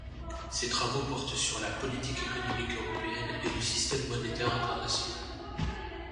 Ses travaux portent sur la politique économique européenne et le système monétaire international.